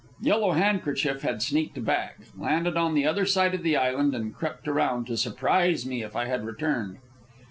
Yellow Handkerchief had sneaked back, landed on the other side of the island, and crept around to surprise me if I had returned.